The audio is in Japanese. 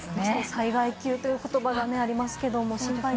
災害級という言葉がありますが。